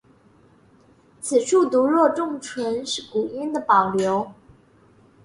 此处读若重唇是古音的保留。